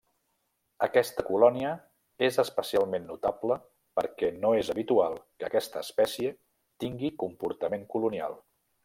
Aquesta colònia és especialment notable perquè no és habitual que aquesta espècie tingui comportament colonial.